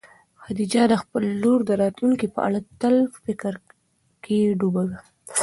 خدیجه د خپلې لور د راتلونکي په اړه تل په فکر کې ډوبه وه.